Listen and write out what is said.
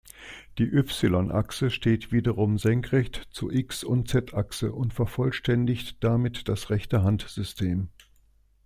Die Y-Achse steht wiederum senkrecht zu X- und Z-Achse und vervollständigt damit das Rechte-Hand-System.